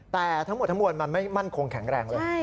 แต่ทั้งหมดมันไม่มั่นคงแข็งแรงเลย